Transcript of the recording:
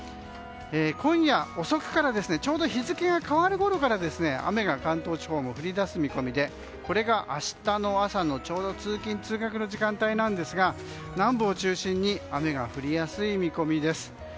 今夜遅くからちょうど日付が変わるころから雨が関東地方も降り出す見込みでこれが明日の朝のちょうど通勤・通学の時間帯ですが南部を中心に雨が降りやすい見込みです。